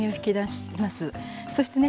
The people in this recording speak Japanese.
そしてね